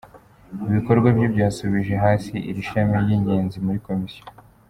Ibikorwa bye byasubije hasi iri shami ry’ingenzi muri Komisiyo.”